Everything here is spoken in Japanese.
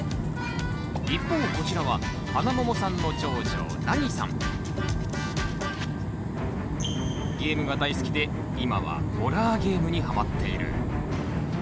一方こちらはハナモモさんの長女ゲームが大好きで今はホラーゲームにハマっている。